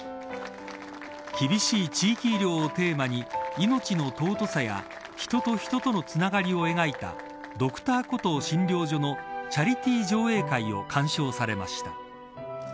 厳しい地域医療をテーマに命の尊さや人と人とのつながりを描いたＤｒ．コトー診療所のチャリティー上映会を鑑賞されました。